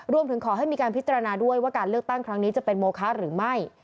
รวมถึงขอให้มีการพิจารณาด้วยว่าการเลือกตั้งครั้งนี้จะเป็นโมคะหรือไม่